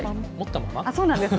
そうなんです。